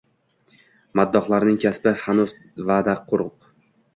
Maddohlarning kasbi hanuz vaʼda quruq